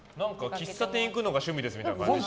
喫茶店行くのが趣味みたいな。